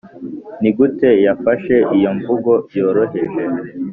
nigute yafashe iyo mvugo yoroheje,